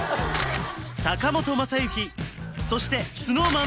坂本昌行そしてＳｎｏｗＭａｎ